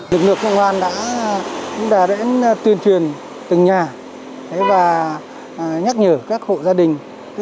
lực lượng công an cũng đã tuyên truyền từng nhà và nhắc nhở các hộ gia đình